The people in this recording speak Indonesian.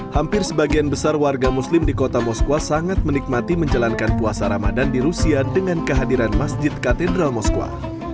hampir sebagian besar warga muslim di kota moskwa sangat menikmati menjalankan puasa ramadan di rusia dengan kehadiran masjid katedral moskwa